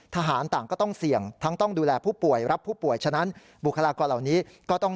ทหารต่างก็ต้องเสี่ยง